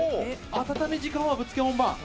温め時間はぶっつけ本番！